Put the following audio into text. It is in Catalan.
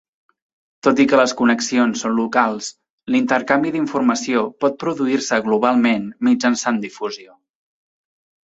Tot i que les connexions són locals, l'intercanvi d'informació pot produir-se globalment mitjançant difusió.